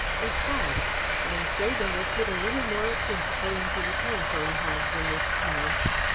"They have; they say they will put a little moral principle into the telephone hogs in this town.